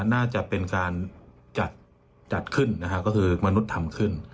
น่าจะเป็นการจัดขึ้นนะครับก็คือมนุษย์ทำขึ้น